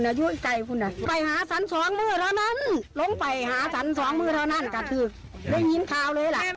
ลงไปมให้หาสันสองมือเท่านั้นกจริงได้ยิ้นขาวเลยนะ